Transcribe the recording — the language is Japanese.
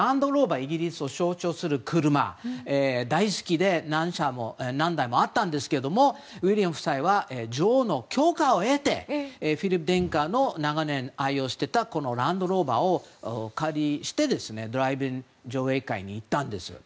イギリスを象徴する車が大好きで、何台もあったんですがウィリアム王子夫妻は女王の許可を得てフィリップ殿下が長年愛用していたランドローバーをお借りしてドライブイン上映会に行ったんです。